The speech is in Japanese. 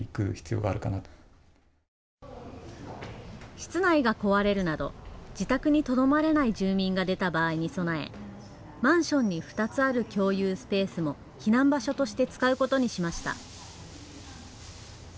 室内が壊れるなど自宅にとどまれない住民が出た場合に備え、マンションに２つある共有スペースも避難場所として使うことにしました。